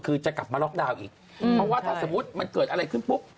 คือจะกลับมาล็อกดาวน์อีกเพราะว่าถ้าสมมุติมันเกิดอะไรขึ้นปุ๊บ